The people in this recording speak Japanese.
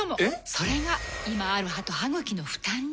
それが今ある歯と歯ぐきの負担に。